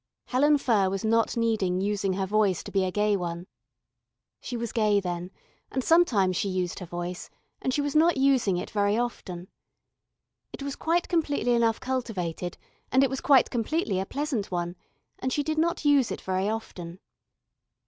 Helen Furr was not needing using her voice to be a gay one. She was gay then and sometimes she used her voice and she was not using it very often. It was quite completely enough cultivated and it was quite completely a pleasant one and she did not use it very often.